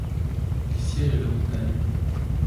Il siége à la Montagne.